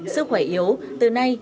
sức khỏe yếu từ nay